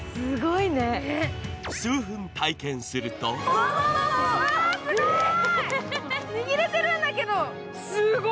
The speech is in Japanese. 数分体験するとすごーい。